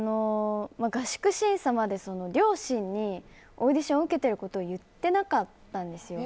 合宿審査まで両親にオーディションを受けていることを言っていなかったんですよ。